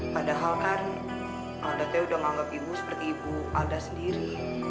padahal kan alatnya sudah menganggap ibu seperti ibu alat sendiri